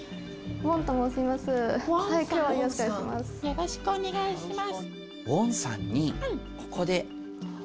よろしくお願いします。